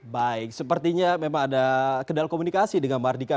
baik sepertinya memang ada kedal komunikasi dengan mardika